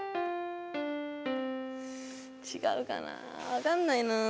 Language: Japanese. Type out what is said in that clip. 違うかな分かんないな。